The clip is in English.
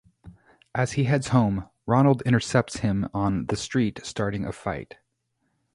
As he heads home, Ronald intercepts him on the street, starting a fight.